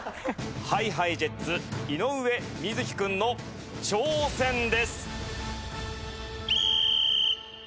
ＨｉＨｉＪｅｔｓ井上瑞稀君の挑戦です。